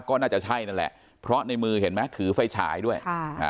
ก็น่าจะใช่นั่นแหละเพราะในมือเห็นไหมถือไฟฉายด้วยค่ะอ่า